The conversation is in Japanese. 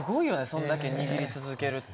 そんだけ握り続けるって。